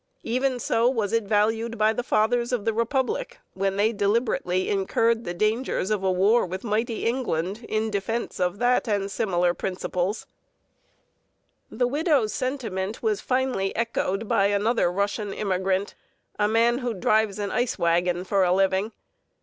Even so was it valued by the Fathers of the Republic, when they deliberately incurred the dangers of a war with mighty England in defense of that and similar principles. [Illustration: THE UNGROOMED MOTHER OF THE EAST SIDE] The widow's sentiment was finely echoed by another Russian immigrant, a man who drives an ice wagon for a living.